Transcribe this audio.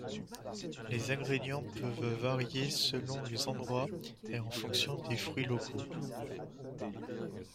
Les ingrédients peuvent varier selon les endroits et en fonction des fruits locaux.